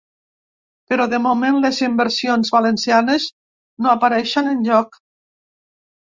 Però de moment, les inversions valencianes no apareixen enlloc.